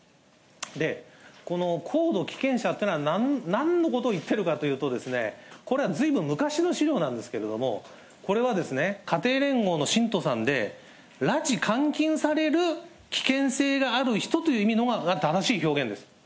で、この高度危険者というのは、なんのことを言ってるかというと、これはずいぶん昔の資料なんですけれども、これは家庭連合の信徒さんで、拉致監禁される危険性がある人という意味のが正しい表現です。